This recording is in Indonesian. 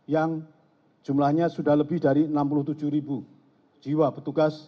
yang jumlahnya sudah lebih dari enam puluh tujuh ribu jiwa petugas